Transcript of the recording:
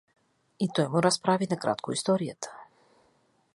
И той му разправи накратко историята.